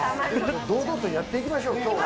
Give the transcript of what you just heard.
堂々とやっていきましょう、きょうは。